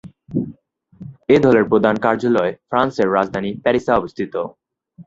এই দলের প্রধান কার্যালয় ফ্রান্সের রাজধানী প্যারিসে অবস্থিত।